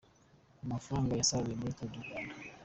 Amafaranga yasaruye muri Tour du Rwanda .